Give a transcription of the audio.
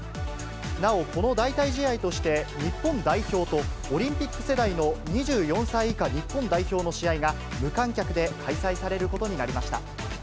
なお、この代替試合として、日本代表とオリンピック世代の２４歳以下日本代表の試合が、無観客で開催されることになりました。